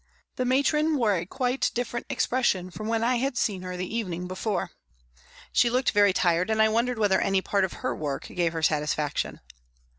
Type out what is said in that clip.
The matron wore a quite different expression from when I had seen her the evening before. She looked very tired, and I wondered whether any part of her work gave her satisfaction.